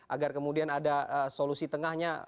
agar kemudian ada solusi tengahnya